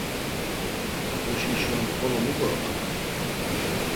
“Oçişon xolo mu goruman hani?”